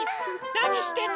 なにしてるの？